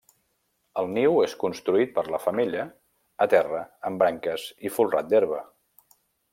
El niu és construït per la femella a terra amb branques i folrat d'herba.